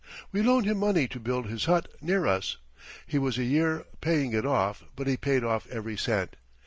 We loaned him money to build his hut near us. He was a year paying it off, but he paid off every cent.